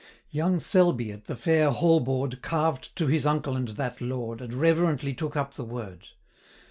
Young Selby, at the fair hall board, 365 Carved to his uncle and that lord, And reverently took up the word.